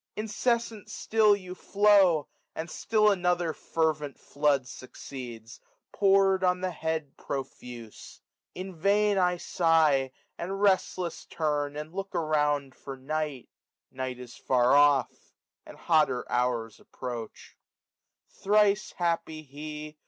Incessant sdll you flow. And still another fervent flood succeeds, Pour'd on the head profuse. In vain I sigh, 455 And restless turn, and look around for Night; Night is far off} and hotter hours approach* SUMME JL Thrice happy he